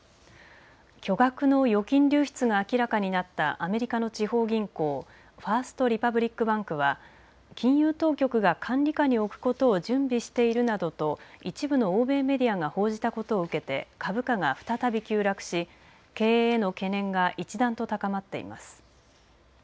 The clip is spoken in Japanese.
巨額の預金流出が明らかになったアメリカの地方銀行、ファースト・リパブリック・バンクは金融当局が管理下に置くことを準備しているなどと一部の欧米メディアが報じたことを受けて、株価が再び急落し経営への懸念が一段と高まっています。